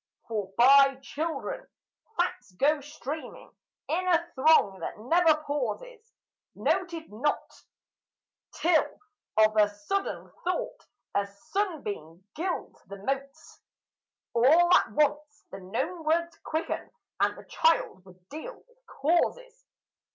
For by children facts go streaming in a throng that never pauses, Noted not, till, of a sudden, thought, a sunbeam, gilds the motes, All at once the known words quicken, and the child would deal with causes.